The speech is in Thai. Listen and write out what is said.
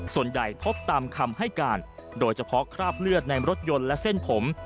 ส่วนใหญ่พบตามคำให้การโดยเฉพาะคราบเลือดในรถยนต์และเส้นผม